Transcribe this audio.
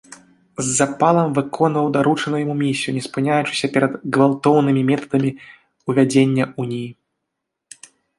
З запалам выконваў даручаную яму місію, не спыняючыся перад гвалтоўнымі метадамі ўвядзення уніі.